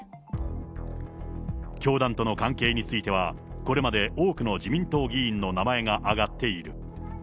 教団との関係については、これまで多くの自民党議員の名前が挙がっている。